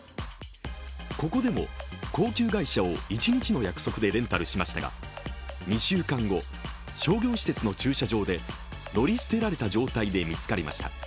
ここでも高級外車を１日の約束でレンタルしましたが、２週間後、商業施設の駐車場で乗り捨てられた状態で見つかりました。